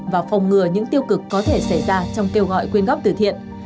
và phòng ngừa những tiêu cực có thể xảy ra trong kêu gọi quyên góp từ thiện